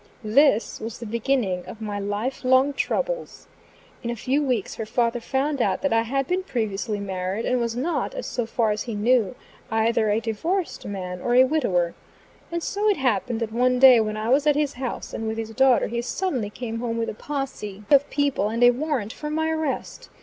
This was the beginning of my life long troubles. In a few weeks her father found out that I had been previously married, and was not, so far as he knew, either a divorced man or a widower. And so it happened, that one day when I was at his house, and with his daughter, he suddenly came home with a posse of people and a warrant for my arrest.